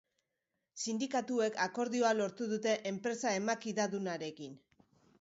Sindikatuek akordioa lortu dute enpresa emakidadunarekin.